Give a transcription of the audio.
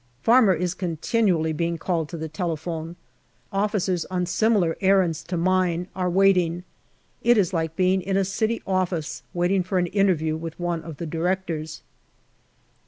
Farmer is continually being called to the telephone. Officers on similar errands to mine are waiting. It is like being in a City office waiting for an interview with one of the directors.